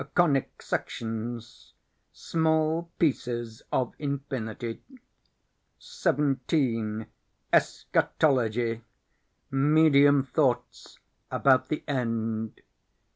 Conic Sections Small Pieces of Infinity. 17. Eschatology Medium Thoughts about the End.